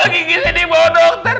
gigi di bawah dokter